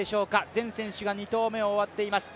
全選手が２投目を終わっています。